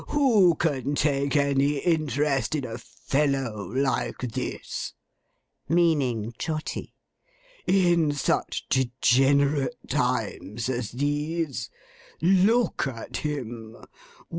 Who can take any interest in a fellow like this,' meaning Trotty; 'in such degenerate times as these? Look at him.